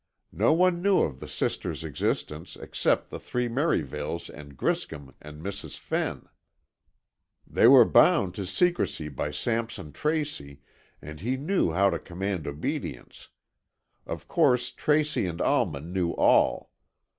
No one knew of the sister's existence except the three Merivales and Griscom and Mrs. Fenn. "They were bound to secrecy by Sampson Tracy, and he knew how to command obedience. Of course, Tracy and Alma knew all.